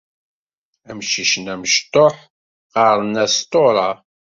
Amcic-nni amecṭuḥ ɣɣaren-as akk Tora.